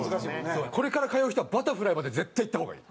これから通う人はバタフライまで絶対いった方がいい。